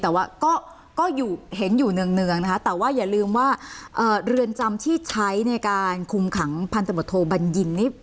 แต่ว่าก็เห็นอยู่เนื่องนะคะแต่ว่าอย่าลืมว่าเรือนจำที่ใช้ในการคุมขังพันธบทโทบัญญินนี่